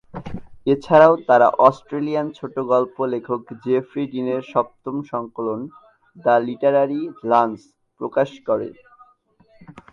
এছাড়াও তারা অস্ট্রেলিয়ান ছোটগল্প লেখক জেফ্রি ডিনের সপ্তম সংকলন "দ্য লিটারারি লাঞ্চ" প্রকাশ করে।